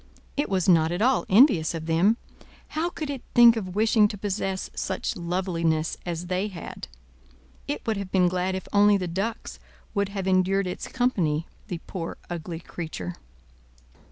It was not at all envious of them. How could it think of wishing to possess such loveliness as they had? It would have been glad if only the ducks would have endured its company the poor, ugly creature!